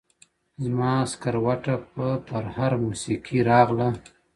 زما سکروټه په پرهر موسیقي راغله